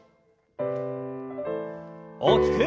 大きく。